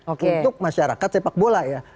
untuk masyarakat sepak bola ya